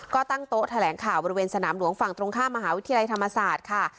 ก็ตั้งโต๊ะแถลงข่าวบริเวณสนามหลวงฝั่งตรงข้ามมหาวิทยาลัยธรรมศาสตร์ค่ะ